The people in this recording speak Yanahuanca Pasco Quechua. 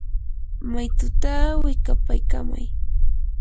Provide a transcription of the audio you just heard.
maytutaa wikapaykamay.